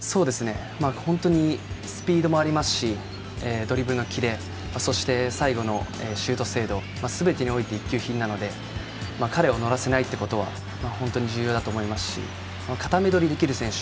本当にスピードもあるしドリブルのキレ、そして最後のシュート精度すべてにおいて一級品なので彼を乗らせないことが本当に重要だと思いますしかため取りできる選手。